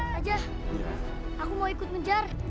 raja aku mau ikut menjar